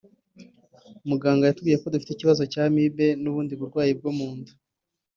Muganga yatubwiye ko dufite ikibazo cya amibe n’ubundi burwayi bwo mu nda